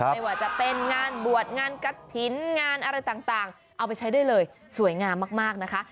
ไม่ว่าจะเป็นงานบวชงานกระถิ่นงานอะไรต่างเอาไปใช้ได้เลยสวยงามมากนะคะ